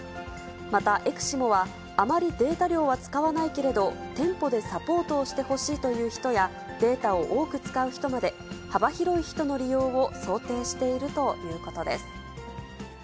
また、エクシモはあまりデータ量は使わないけれど、店舗でサポートをしてほしいという人や、データを多く使う人まで、幅広い人の利用を想定しているということです。